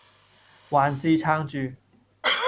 還是撐著